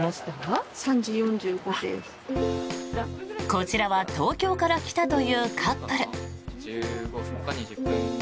こちらは東京から来たというカップル。